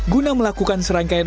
guna melakukan serangkaian